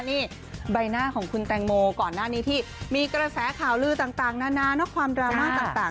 นี่ใบหน้าของคุณแตงโมก่อนหน้านี้ที่มีกระแสข่าวลือต่างนานาความดราม่าต่าง